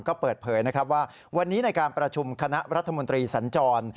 ก็เปิดเผยนะครับว่าวันนี้ในการประชุมคณะรัฐมนตรีสัญจร